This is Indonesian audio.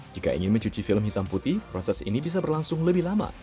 jika ingin mencuci film hitam putih proses ini bisa berlangsung lebih lama